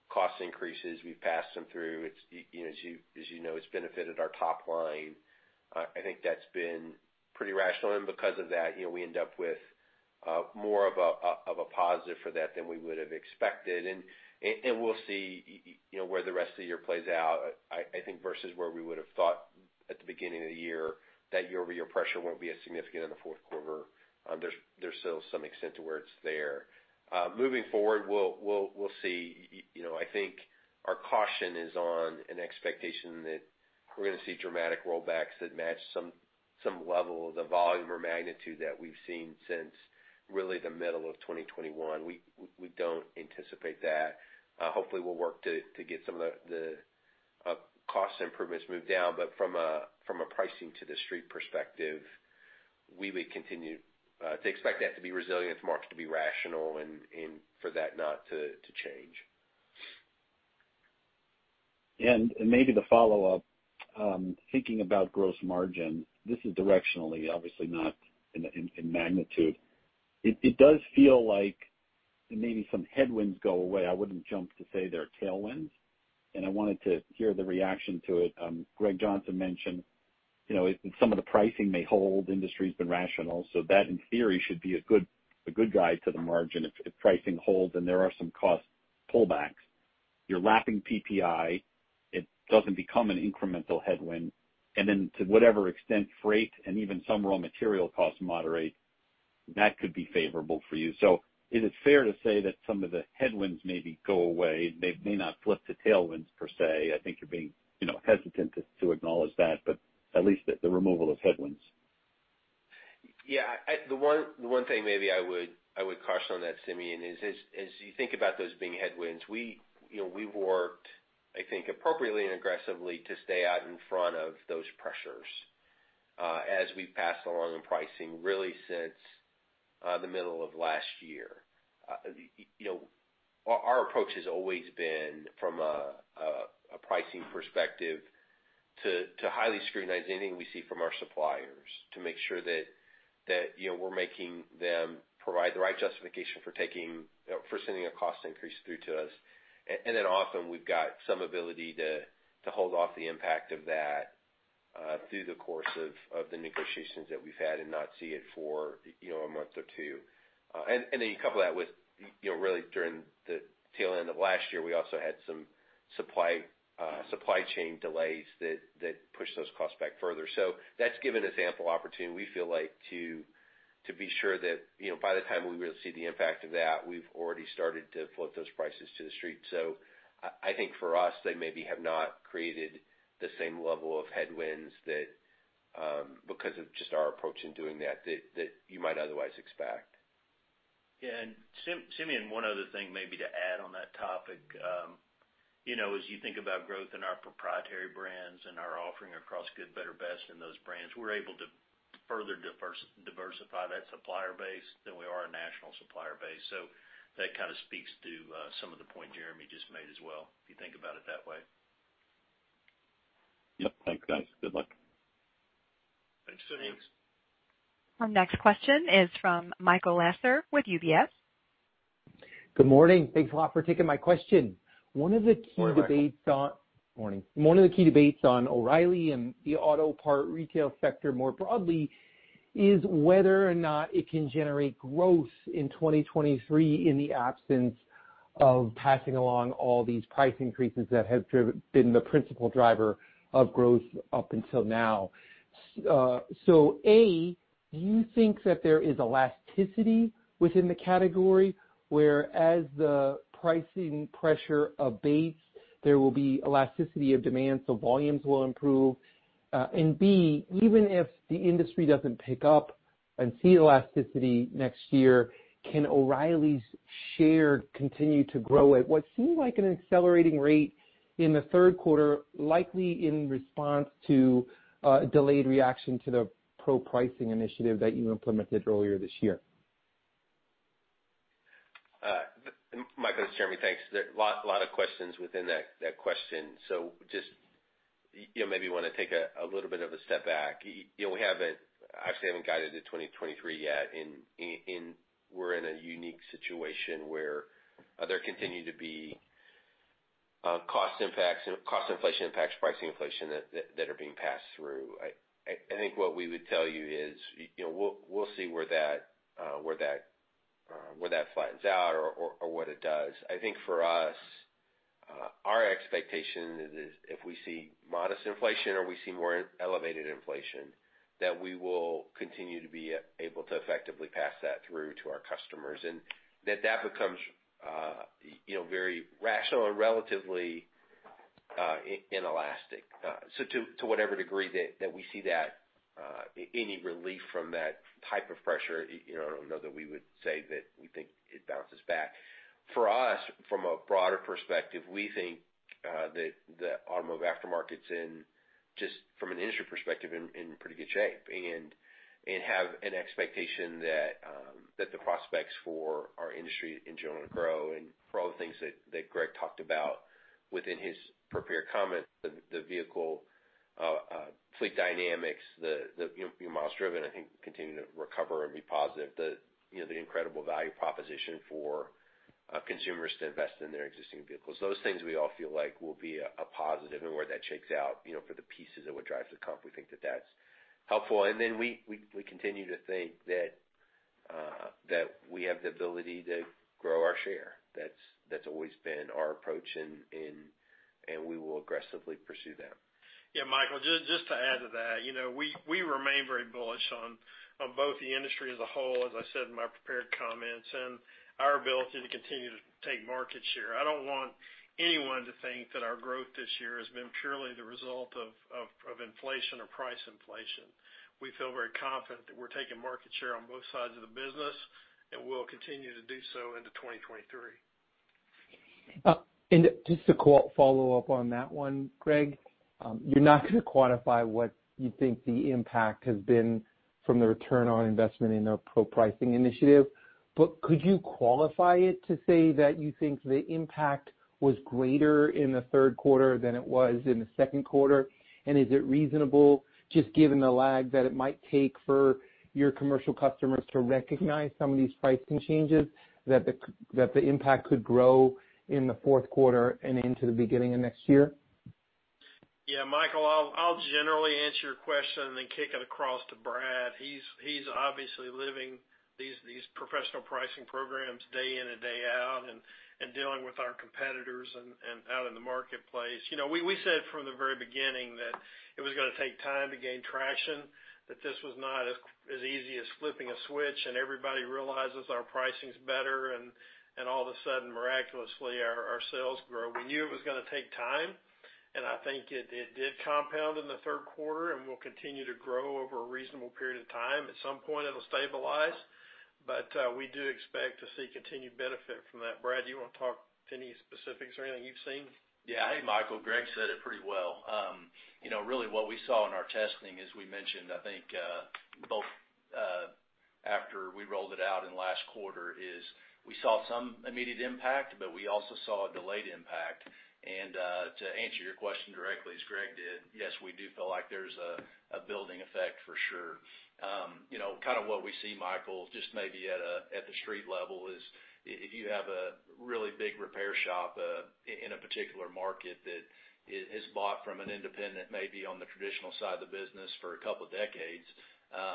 cost increases. We've passed them through. It's, you know, as you know, it's benefited our top line. I think that's been pretty rational. Because of that, you know, we end up with more of a positive for that than we would have expected. We'll see, you know, where the rest of the year plays out. I think versus where we would have thought at the beginning of the year that year-over-year pressure won't be as significant in the fourth quarter. There's still some extent to where it's there. Moving forward, we'll see. You know, I think our caution is on an expectation that we're gonna see dramatic rollbacks that match some level of the volume or magnitude that we've seen since really the middle of 2021. We don't anticipate that. Hopefully we'll work to get some of the cost improvements moved down. But from a pricing to the street perspective, we would continue to expect that to be resilient, the market to be rational and for that not to change. Maybe the follow-up, thinking about gross margin, this is directionally obviously not in magnitude. It does feel like maybe some headwinds go away. I wouldn't jump to say they're tailwinds, and I wanted to hear the reaction to it. Greg Johnson mentioned. You know, some of the pricing may hold, industry's been rational, so that in theory should be a good guide to the margin if pricing holds and there are some cost pullbacks. You're lapping PPI, it doesn't become an incremental headwind. Then to whatever extent freight and even some raw material costs moderate, that could be favorable for you. Is it fair to say that some of the headwinds maybe go away? They may not flip to tailwinds per se, I think you're being, you know, hesitant to acknowledge that, but at least the removal of headwinds. Yeah, the one thing maybe I would caution on that, Simeon, is as you think about those being headwinds, we, you know, we've worked, I think, appropriately and aggressively to stay out in front of those pressures, as we pass along the pricing really since the middle of last year. You know, our approach has always been from a pricing perspective to highly scrutinize anything we see from our suppliers to make sure that, you know, we're making them provide the right justification for sending a cost increase through to us. Then often we've got some ability to hold off the impact of that, through the course of the negotiations that we've had and not see it for, you know, a month or two. You couple that with, you know, really during the tail end of last year, we also had some supply chain delays that pushed those costs back further. That's given us ample opportunity, we feel like, to be sure that, you know, by the time we really see the impact of that, we've already started to float those prices to the street. I think for us, they maybe have not created the same level of headwinds that, because of just our approach in doing that, you might otherwise expect. Yeah. Simeon, one other thing maybe to add on that topic. You know, as you think about growth in our proprietary brands and our offering across good, better, best in those brands, we're able to further diversify that supplier base than we are a national supplier base. That kind of speaks to some of the point Jeremy just made as well, if you think about it that way. Yep. Thanks, guys. Good luck. Thanks, Simeon. Thanks. Our next question is from Michael Lasser with UBS. Good morning. Thanks a lot for taking my question. One of the key debates on. Good morning, Michael. Morning. One of the key debates on O'Reilly and the auto parts retail sector more broadly is whether or not it can generate growth in 2023 in the absence of passing along all these price increases that have been the principal driver of growth up until now. A, do you think that there is elasticity within the category, whereas the pricing pressure abates, there will be elasticity of demand, so volumes will improve? B, even if the industry doesn't pick up and see elasticity next year, can O'Reilly's share continue to grow at what seemed like an accelerating rate in the third quarter, likely in response to delayed reaction to the pro-pricing initiative that you implemented earlier this year? Michael, it's Jeremy. Thanks. There are a lot of questions within that question. So just, you know, maybe want to take a little bit of a step back. You know, we haven't actually guided to 2023 yet, and we're in a unique situation where there continue to be cost impacts, cost inflation impacts, pricing inflation that are being passed through. I think what we would tell you is, you know, we'll see where that flattens out or what it does. I think for us, our expectation is if we see modest inflation or we see more elevated inflation, that we will continue to be able to effectively pass that through to our customers, and that becomes very rational and relatively inelastic. To whatever degree that we see that any relief from that type of pressure, you know, I don't know that we would say that we think it bounces back. For us, from a broader perspective, we think that the automotive aftermarket is just from an industry perspective in pretty good shape, and have an expectation that the prospects for our industry in general grow and for all the things that Greg talked about within his prepared comments, the vehicle fleet dynamics, the, you know, miles driven, I think, continue to recover and be positive. The, you know, the incredible value proposition for consumers to invest in their existing vehicles. Those things we all feel like will be a positive and where that shakes out, you know, for the pieces of what drives the comp, we think that that's helpful. We continue to think that we have the ability to grow our share. That's always been our approach and we will aggressively pursue that. Yeah, Michael, just to add to that, you know, we remain very bullish on both the industry as a whole, as I said in my prepared comments, and our ability to continue to take market share. I don't want anyone to think that our growth this year has been purely the result of inflation or price inflation. We feel very confident that we're taking market share on both sides of the business, and we'll continue to do so into 2023. Just to follow up on that one, Greg, you're not gonna quantify what you think the impact has been from the return on investment in the pro-pricing initiative, but could you qualify it to say that you think the impact was greater in the third quarter than it was in the second quarter? Is it reasonable, just given the lag that it might take for your commercial customers to recognize some of these pricing changes that the impact could grow in the fourth quarter and into the beginning of next year? Yeah, Michael, I'll generally answer your question and then kick it across to Brad. He's obviously living these professional pricing programs day in and day out and dealing with our competitors and out in the marketplace. You know, we said from the very beginning that it was gonna take time to gain traction, that this was not as easy as flipping a switch, and everybody realizes our pricing's better, and all of a sudden, miraculously, our sales grow. We knew it was gonna take time, and I think it did compound in the third quarter and will continue to grow over a reasonable period of time. At some point, it'll stabilize, but we do expect to see continued benefit from that. Brad, do you wanna talk to any specifics or anything you've seen? Yeah. Hey, Michael, Greg said it pretty well. You know, really what we saw in our testing, as we mentioned, I think both after we rolled it out in last quarter is we saw some immediate impact, but we also saw a delayed impact. To answer your question directly, as Greg did, yes, we do feel like there's a building effect for sure. You know, kind of what we see, Michael, just maybe at the street level is if you have a really big repair shop in a particular market that has bought from an independent maybe on the traditional side of the business for a couple decades,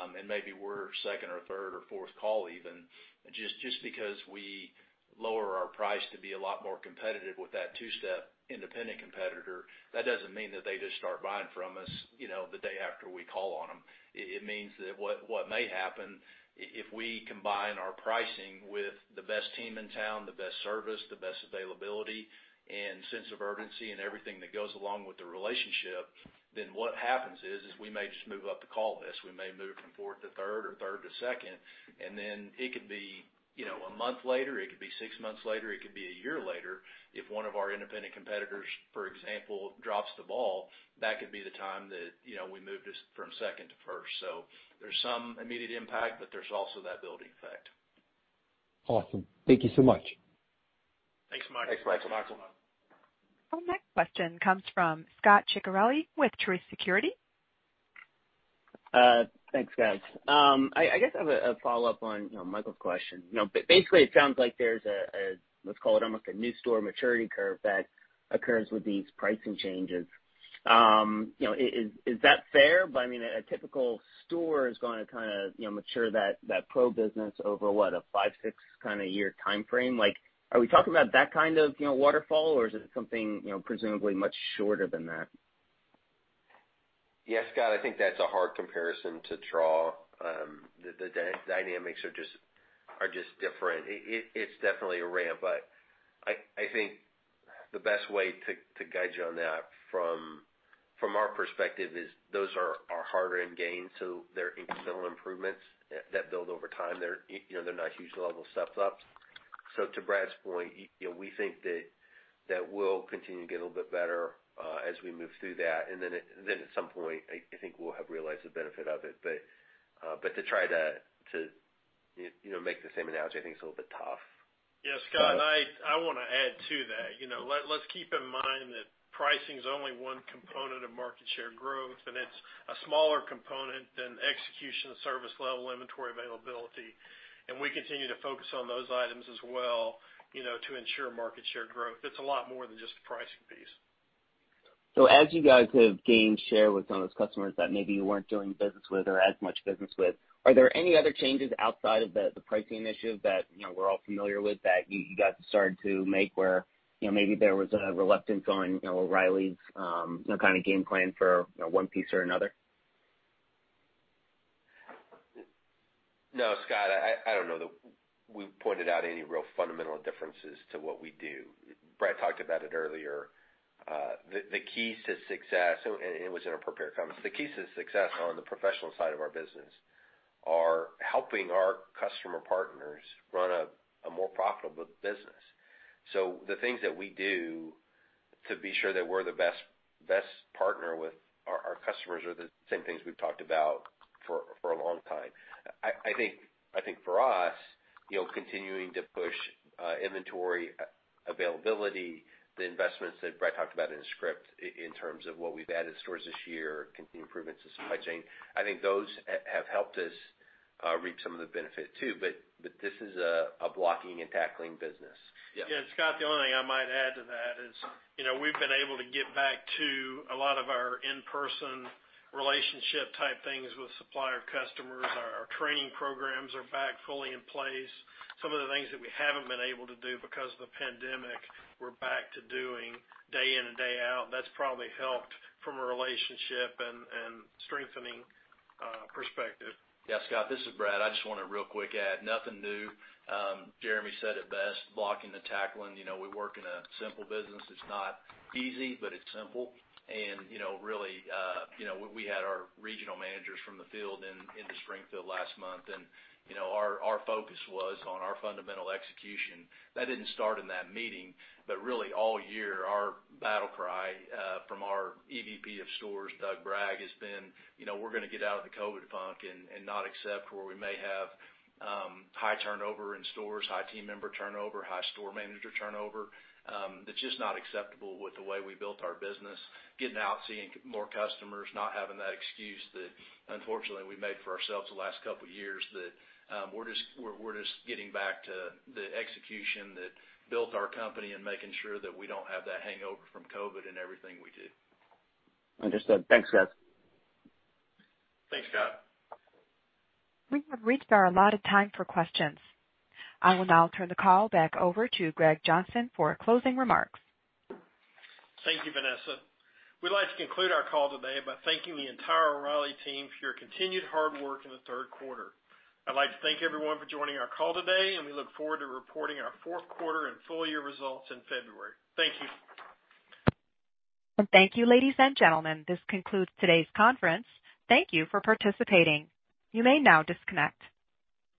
and maybe we're second or third or fourth call even, just because we lower our price to be a lot more competitive with that two-step independent competitor, that doesn't mean that they just start buying from us, you know, the day after we call on them. It means that what may happen if we combine our pricing with the best team in town, the best service, the best availability and sense of urgency and everything that goes along with the relationship, then what happens is we may just move up the call list. We may move from fourth to third or third to second, and then it could be, you know, a month later, it could be six months later, it could be a year later. If one of our independent competitors, for example, drops the ball, that could be the time that, you know, we moved us from second to first. There's some immediate impact, but there's also that building effect. Awesome. Thank you so much. Thanks, Michael. Thanks, Michael. Thanks, Michael. Our next question comes from Scot Ciccarelli with Truist Securities. Thanks, guys. I guess I have a follow-up on, you know, Michael's question. You know, basically, it sounds like there's a, let's call it almost a new store maturity curve that occurs with these pricing changes. You know, is that fair? I mean, a typical store is gonna kinda, you know, mature that pro business over what, a five, six kinda year timeframe. Like, are we talking about that kind of, you know, waterfall, or is it something, you know, presumably much shorter than that? Yeah, Scot, I think that's a hard comparison to draw. The dynamics are just different. It's definitely a ramp, but I think the best way to guide you on that from our perspective is those are harder to gain, so they're incremental improvements that build over time. They're, you know, they're not huge level steps up. So to Brad's point, you know, we think that will continue to get a little bit better as we move through that. Then at some point, I think we'll have realized the benefit of it. To try to you know make the same analogy I think is a little bit tough. Yeah, Scot, I wanna add to that. You know, let's keep in mind that pricing's only one component of market share growth, and it's a smaller component than execution of service level inventory availability, and we continue to focus on those items as well, you know, to ensure market share growth. It's a lot more than just the pricing piece. As you guys have gained share with some of those customers that maybe you weren't doing business with or as much business with, are there any other changes outside of the pricing initiative that, you know, we're all familiar with that you guys started to make where, you know, maybe there was a reluctance on, you know, O'Reilly's, you know, kind of game plan for, you know, one piece or another? No, Scot, I don't know that we've pointed out any real fundamental differences to what we do. Brad talked about it earlier. The key to success, and it was in our prepared comments, the key to success on the professional side of our business are helping our customer partners run a more profitable business. The things that we do to be sure that we're the best partner with our customers are the same things we've talked about for a long time. I think for us, you know, continuing to push inventory availability, the investments that Brad talked about in his script in terms of the stores we've added this year, continued improvements to supply chain, I think those have helped us reap some of the benefit too. This is a blocking and tackling business. Yeah, Scot, the only thing I might add to that is, you know, we've been able to get back to a lot of our in-person relationship type things with supplier customers. Our training programs are back fully in place. Some of the things that we haven't been able to do because of the pandemic, we're back to doing day in and day out, and that's probably helped from a relationship and strengthening perspective. Yeah, Scot, this is Brad. I just wanna real quick add nothing new. Jeremy said it best, blocking and tackling. You know, we work in a simple business. It's not easy, but it's simple. You know, really, you know, we had our regional managers from the field into Springfield last month, and you know, our focus was on our fundamental execution. That didn't start in that meeting, but really all year, our battle cry from our EVP of stores, Doug Bragg, has been, you know, we're gonna get out of the COVID funk and not accept where we may have high turnover in stores, high team member turnover, high store manager turnover. That's just not acceptable with the way we built our business, getting out, seeing more customers, not having that excuse that unfortunately we made for ourselves the last couple years, that we're just getting back to the execution that built our company and making sure that we don't have that hangover from COVID in everything we do. Understood. Thanks, guys. Thanks, Scot. We have reached our allotted time for questions. I will now turn the call back over to Greg Johnson for closing remarks. Thank you, Vanessa. We'd like to conclude our call today by thanking the entire O'Reilly team for your continued hard work in the third quarter. I'd like to thank everyone for joining our call today, and we look forward to reporting our fourth quarter and full year results in February. Thank you. Thank you, ladies and gentlemen. This concludes today's conference. Thank you for participating. You may now disconnect.